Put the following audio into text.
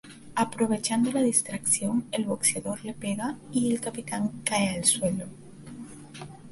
Aprovechando la distracción, el boxeador le pega y el Capitán cae al suelo.